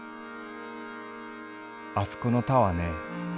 「あすこの田はねえ